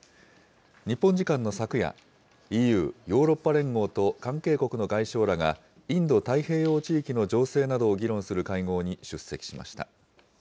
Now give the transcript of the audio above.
日本時間の昨夜、ＥＵ・ヨーロッパ連合と関係国の外相らが、インド太平洋地域の情勢などを議論する会合に出席しました。